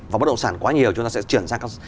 và bất động sản quá nhiều chúng ta sẽ chuyển sang